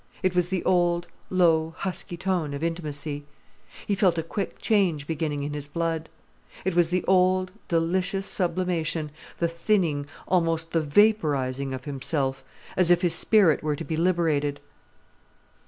It was the old, low, husky tone of intimacy. He felt a quick change beginning in his blood. It was the old, delicious sublimation, the thinning, almost the vaporizing of himself, as if his spirit were to be liberated.